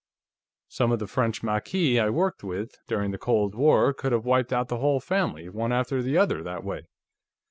Some of the French Maquis I worked with, during the war, could have wiped out the whole family, one after the other, that way."